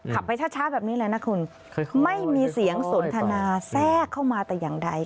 ไปช้าแบบนี้เลยนะคุณไม่มีเสียงสนทนาแทรกเข้ามาแต่อย่างใด